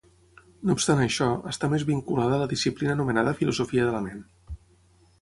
No obstant això, està més vinculada a la disciplina anomenada filosofia de la ment.